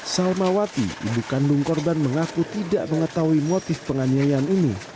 salmawati ibu kandung korban mengaku tidak mengetahui motif penganiayaan ini